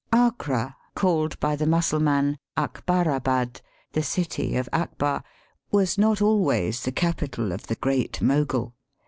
Agra, called by the Mussulman Akbarabad, the City of Akbar, was not always the capital of the Great Mogul.